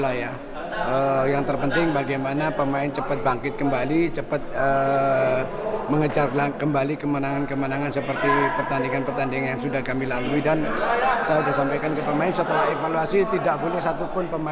dan saya sudah sampaikan ke pemain setelah evaluasi tidak boleh satu pun pemain memikirkan pertandingan yang sudah berlalu